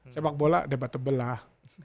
sepak bola dapat tebel lah